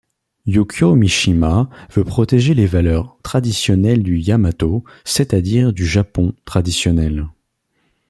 Yukio Mishima veut protéger les valeurs traditionnelles du Yamato, c'est-à-dire du Japon traditionnel.